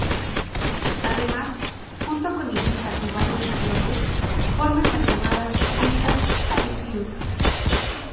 Además, junto con Ibiza y varios islotes forma las llamadas islas Pitiusas.